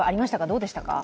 どうでしたか？